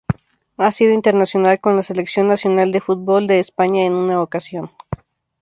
Ha sido internacional con la Selección nacional de fútbol de España en una ocasión.